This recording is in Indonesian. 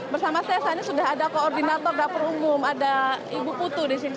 bersama saya saat ini sudah ada koordinator dapur umum ada ibu putu di sini